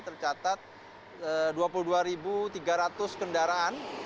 tercatat dua puluh dua tiga ratus kendaraan